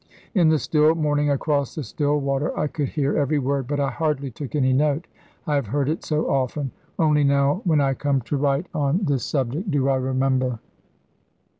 In the still morning across the still water I could hear every word, but I hardly took any note; I have heard it so often. Only now when I come to write on this subject do I remember.